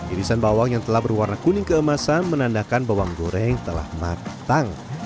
irisan bawang yang telah berwarna kuning keemasan menandakan bawang goreng telah matang